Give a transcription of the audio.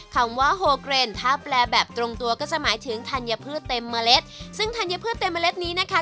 คำว่าโฮเกรนถ้าแปลแบบตรงตัวก็จะหมายถึงธัญพืชเต็มเมล็ดซึ่งธัญพืชเต็มเมล็ดนี้นะคะ